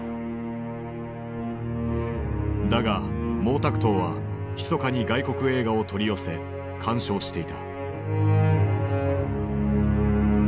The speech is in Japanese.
だが毛沢東はひそかに外国映画を取り寄せ鑑賞していた。